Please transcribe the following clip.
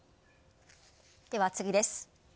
では、次です。